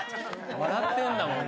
笑ってるんだもんね。